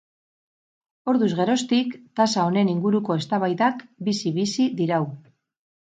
Orduz geroztik, tasa honen inguruko eztabaidak bizi-bizi dirau.